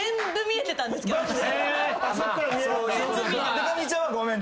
でか美ちゃんはごめん。